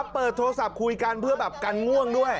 เปิดโทรศัพท์คุยกันเพื่อแบบกันง่วงด้วย